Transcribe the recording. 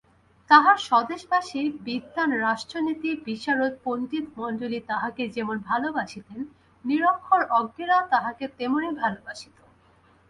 তাঁহার স্বদেশবাসী বিদ্বান রাষ্ট্রনীতি-বিশারদ পণ্ডিতমণ্ডলী তাঁহাকে যেমন ভালবাসিতেন, নিরক্ষর অজ্ঞেরাও তাঁহাকে তেমনি ভালবাসিত।